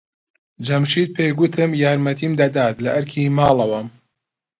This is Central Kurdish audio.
جەمشید پێی گوتم یارمەتیم دەدات لە ئەرکی ماڵەوەم.